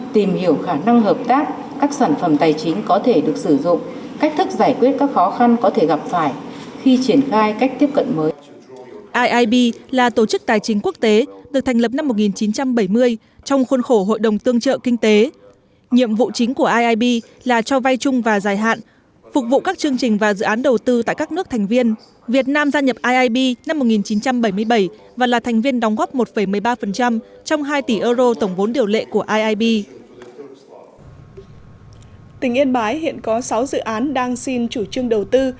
tình yên bái hiện có sáu dự án đang xin chủ trương đầu tư